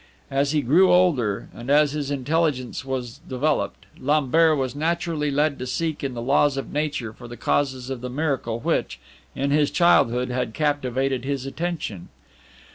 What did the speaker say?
As he grew older, and as his intelligence was developed, Lambert was naturally led to seek in the laws of nature for the causes of the miracle which, in his childhood, had captivated his attention.